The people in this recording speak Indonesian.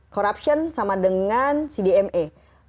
corruption sama dengan cdme